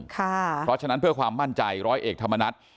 เพราะฉะนั้นเพื่อความมั่นใจร้อยเอกธรรมนัฐ